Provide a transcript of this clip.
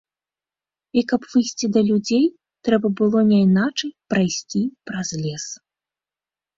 І каб выйсці да людзей, трэба было няйначай прайсці праз лес.